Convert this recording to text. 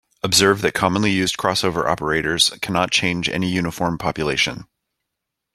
Observe that commonly used crossover operators cannot change any uniform population.